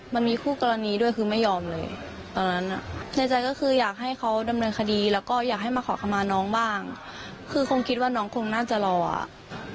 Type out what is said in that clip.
มันมีคู่กรณีด้วยคือไม่ยอมเลยตอนนั้นอ่ะในใจก็คืออยากให้เขาดำเนินคดีแล้วก็อยากให้มาขอคำมาน้องบ้างคือคงคิดว่าน้องคงน่าจะรออ่ะ